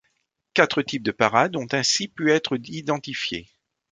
Quatre types de parade ont ainsi pu être identifiés.